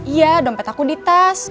iya dompet aku di tas